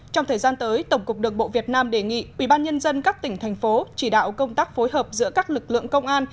trong thời gian tới tổng cục đường bộ việt nam đề nghị ubnd các tỉnh thành phố chỉ đạo công tác phối hợp giữa các lực lượng công an